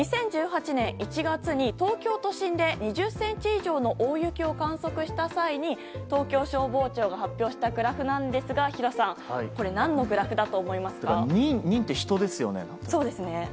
２０１８年１月東京都心で２０ｃｍ以上の大雪を観測した際に東京消防庁が発表したグラフなんですがこれ、何のグラフだと思いますか？にんって人ですよね。